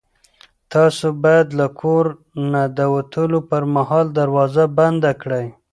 تاسو باید له کور نه د وتلو پر مهال دروازه بنده کړئ.